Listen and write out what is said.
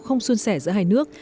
không xuân xẻ giữa hai nước